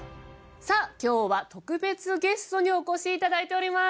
さぁ今日は特別ゲストにお越しいただいております！